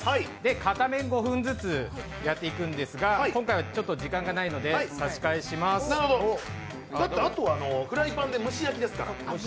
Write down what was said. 片面５分ずつやっていくんですが、今回は時間がないのであとはフライパンで蒸し焼きですから。